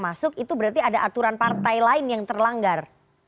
masuk itu berarti ada aturan partai lain yang terlanggar